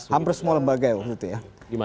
hampir semua lembaga ya waktu itu ya